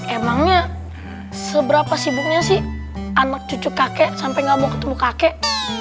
emangnya seberapa sibuknya sih anak cucu kakek sampai gak mau ketemu kakek